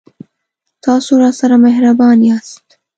تاسو راسره مهربان یاست